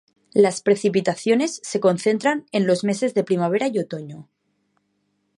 Las precipitaciones se concentran en los meses de primavera y otoño.